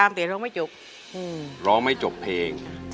มูลค่า๔๐๐๐๐บาท